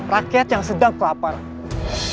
rakyat yang sedang kelaparan